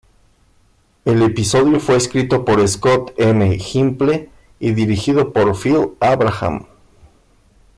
El episodio fue escrito por Scott M. Gimple y dirigido por Phil Abraham.